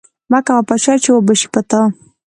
مه کوه په چا، چی وبه شي په تا